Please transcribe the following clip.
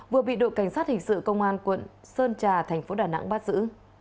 vừa bị đội cảnh sát hình sự công an quận sơn trà thành phố đà nẵng bắt giữ